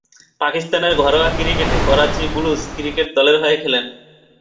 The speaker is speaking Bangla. পাকিস্তানের ঘরোয়া ক্রিকেটে করাচি ব্লুজ ক্রিকেট দলের হয়ে খেলেন।